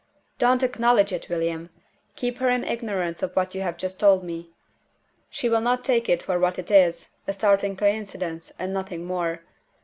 "Don't acknowledge it, William! Keep her in ignorance of what you have just told me. She will not take it for what it is a startling coincidence, and nothing more.